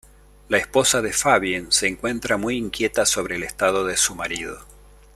La esposa de Fabien se encuentra muy inquieta sobre el estado de su marido.